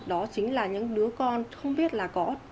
đó chính là những đứa con không biết là có